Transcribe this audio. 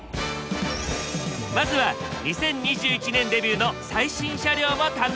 まずは２０２１年デビューの最新車両を堪能！